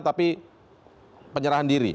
tapi penyerahan diri